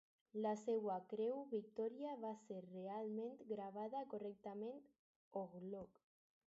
La seva Creu Victoria va ser realment gravada correctament Horlock.